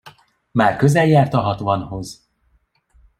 Már közel járt a hatvanhoz.